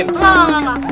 enggak enggak enggak